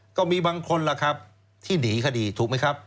ก็มีบางคนล่ะครับที่หนีคดีถูกไหมครับ